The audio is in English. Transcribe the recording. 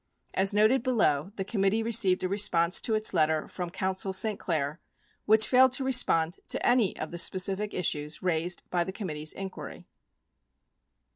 As noted below, the committee received a response to its letter from counsel St. Clair which failed to respond to any of the specific issues raised by the committee's inquiry.